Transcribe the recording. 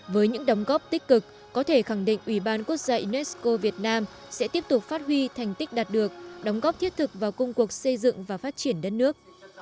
với những đóng góp tích cực có thể khẳng định ủy ban quốc gia unesco việt nam sẽ tiếp tục phát huy thành tích đạt được đóng góp thiết thực vào công cuộc xây dựng và phát triển đất nước